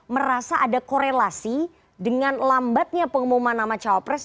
merasa ada korelasi dengan lambatnya pengumuman nama cawapres